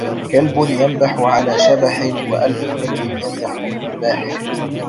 كلب ينبح على شبح وألف كلب ينبح لنباحه.